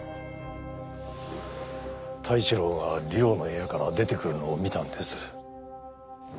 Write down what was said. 太一郎が里緒の部屋から出てくるのを見たんです。